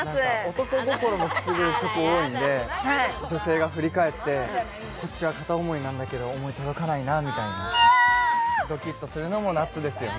男心をくすぐる曲も多いので女性が振り向いてこっちは片思いなんだけど思い、届かないなみたいな、ドキッとするのも夏ですよね。